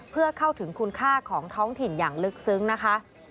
เพื่อเข้าถึงคุณค่าของท้องถิ่นอย่างลึกซึ้งนะคะ